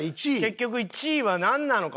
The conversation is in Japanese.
結局１位はなんなのか？